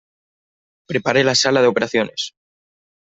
¡ Prepare la sala de operaciones!